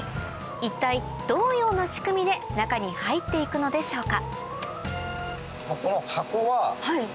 一体どのような仕組みで中に入っていくのでしょうか？